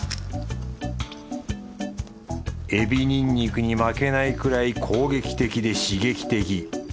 海老にんにくに負けないくらい攻撃的で刺激的。